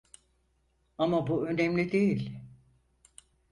Ama bu önemli değil.